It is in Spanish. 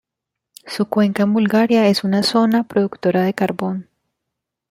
Su cuenca en Bulgaria es una zona productora de carbón.